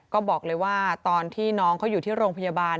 ก็บอกเลยว่าตอนที่น้องเขาอยู่ที่โรงพยาบาล